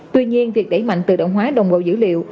tuy nhiên việc đẩy mạnh tự động hóa đồng bộ dữ liệu